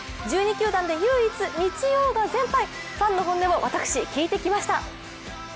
１２球団で唯一、日曜が全敗、ファンの本音を私、聞いてまいりました。